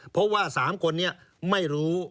เพราะว่า๓คนนี้ไม่รู้